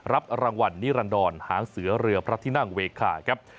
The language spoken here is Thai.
รับรางวัลนิรันดรหางเสือเรือพระที่นั่งเวคาครับ